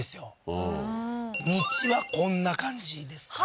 うん道はこんな感じですかね？